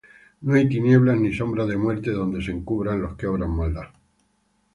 No hay tinieblas ni sombra de muerte Donde se encubran los que obran maldad.